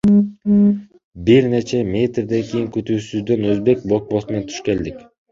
Бир нече метрден кийин күтүүсүздөн өзбек блокпостуна туш келдик.